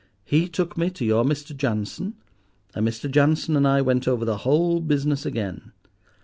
He took me to your Mr. Jansen, and Mr. Jansen and I went over the whole business again.